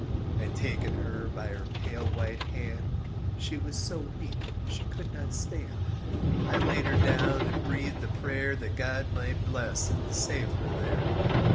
I taken her by her pale white hand, She was so weak she could not stand; I laid her down and breathed a prayer That God might bless and save her there.